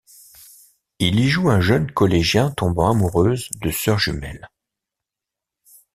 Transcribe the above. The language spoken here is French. Il y joue un jeune collégien tombant amoureuse de sœurs jumelles.